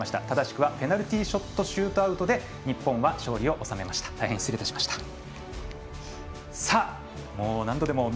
正しくはペナルティーショットシュートアウトで日本は勝利を収めました。